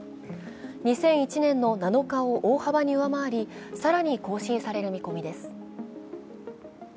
２００１年の７日を大幅に上回り更に更新される見込みです。